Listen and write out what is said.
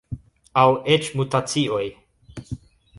Aŭ eĉ mutacioj.